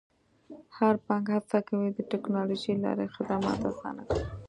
هر بانک هڅه کوي د ټکنالوژۍ له لارې خدمات اسانه کړي.